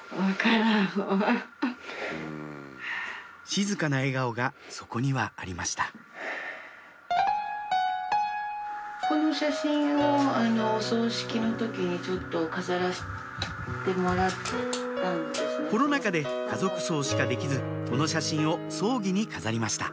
静かな笑顔がそこにはありましたコロナ禍で家族葬しかできずこの写真を葬儀に飾りました